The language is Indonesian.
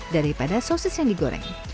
daripada sosis yang digoreng